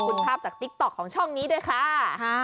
คุณภาพจากติ๊กต๊อกของช่องนี้ด้วยค่ะ